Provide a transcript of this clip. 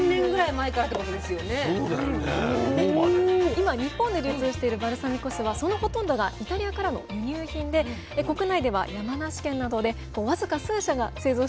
今日本で流通しているバルサミコ酢はそのほとんどがイタリアからの輸入品で国内では山梨県などで僅か数社が製造しているだけなんです。